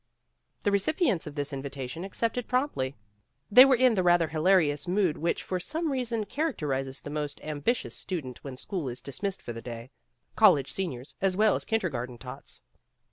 The recipients of this invitation accepted promptly. They were in the rather hilarious mood which for some reason characterizes the most ambitious student when school is dis missed for the day, college seniors as well as kindergarten tots.